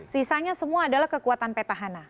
sisanya semua adalah kekuatan petahana